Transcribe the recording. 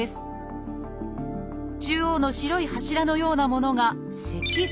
中央の白い柱のようなものが脊髄。